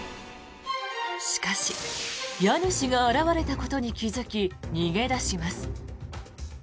しかし家主が現れたことに気付き逃げ出します。